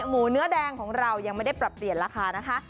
หมูเนื้อแดงของเรายังไม่ได้ปรับเปลี่ยนราคานะคะ